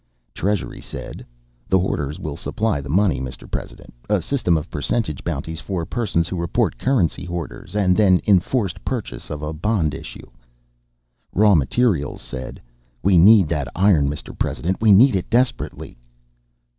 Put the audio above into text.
Treasury said: "The hoarders will supply the money, Mr. President. A system of percentage bounties for persons who report currency hoarders, and then enforced purchase of a bond issue." Raw materials said: "We need that iron, Mr. President. We need it desperately."